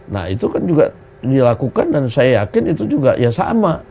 nah itu kan juga dilakukan dan saya yakin itu juga ya sama